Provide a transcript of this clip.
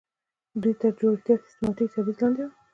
دوی تر جوړښتي او سیستماتیک تبعیض لاندې وو.